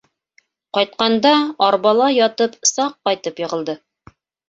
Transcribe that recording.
Ҡайтҡанда арбала ятып саҡ ҡайтып йығылды.